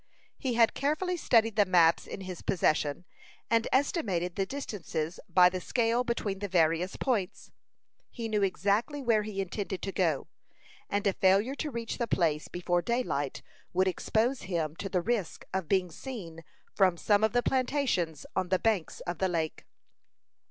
He had carefully studied the maps in his possession, and estimated the distances by the scale between the various points. He knew exactly where he intended to go, and a failure to reach the place before daylight would expose him to the risk of being seen from some of the plantations on the banks of the lake.